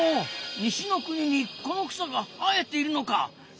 西の国にこの草が生えているのか！